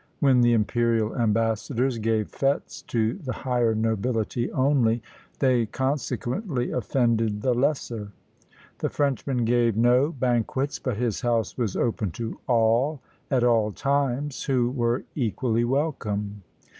When the imperial ambassadors gave fêtes to the higher nobility only, they consequently offended the lesser. The Frenchman gave no banquets, but his house was open to all at all times, who were equally welcome.